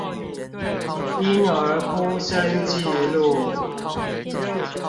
嬰兒哭聲記錄